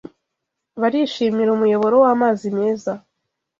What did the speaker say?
Barishimira umuyoboro w’amazi meza